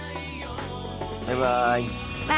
バイバイ。